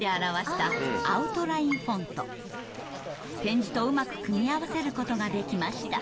点字とうまく組み合わせることができました。